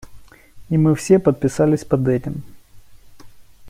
И мы все подписались под этим.